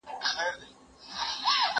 ما چي ول بالا به لمر راسي باره واوره وورېده